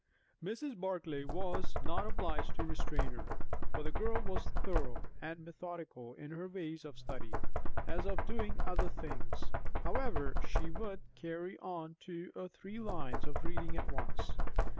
Mrs. Barclay was not obliged to restrain her, for the girl was thorough and methodical in her ways of study, as of doing other things; however, she would carry on two or three lines of reading at once.